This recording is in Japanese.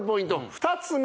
２つ目